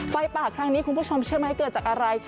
ไฟป่าครั้งนี้คุณผู้ชมเชื่อไหมเกิดจากอะไร